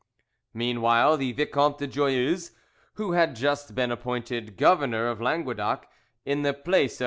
Meanwhile the Vicomte de Joyeuse, who had just been appointed governor of Languedoc in the place of M.